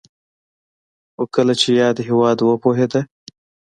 خو کله چې یاد هېواد وپوهېده